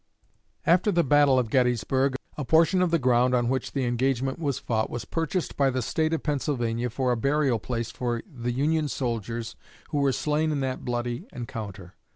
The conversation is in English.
After the battle of Gettysburg, a portion of the ground on which the engagement was fought was purchased by the State of Pennsylvania for a burial place for the Union soldiers who were slain in that bloody encounter.